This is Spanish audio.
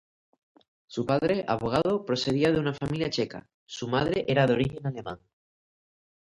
Su padre, abogado, procedía de una familia checa; su madre era de origen alemán.